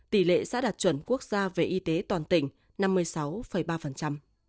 tỷ lệ xã đạt chuẩn quốc gia về y tế toàn tỉnh năm mươi sáu ba